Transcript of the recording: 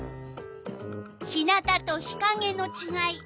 日なたと日かげのちがい。